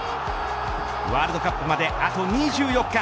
ワールドカップまであと２４日。